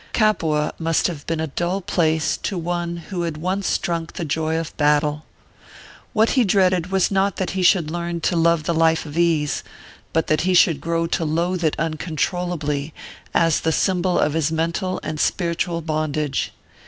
Capua must have been a dull place to one who had once drunk the joy of battle. What he dreaded was not that he should learn to love the life of ease, but that he should grow to loathe it uncontrollably, as the symbol of his mental and spiritual bondage.